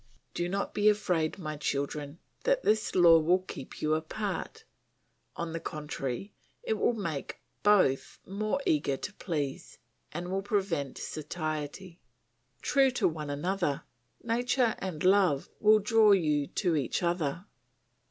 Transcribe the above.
Do not be afraid, my children, that this law will keep you apart; on the contrary, it will make both more eager to please, and will prevent satiety. True to one another, nature and love will draw you to each other."